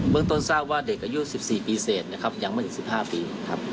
เบื้องต้นทราบว่าเด็กอายุ๑๔ปีเสร็จยังไม่ถึง๑๕ปี